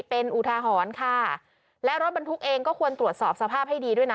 เป็นอุทาหรณ์ค่ะและรถบรรทุกเองก็ควรตรวจสอบสภาพให้ดีด้วยนะ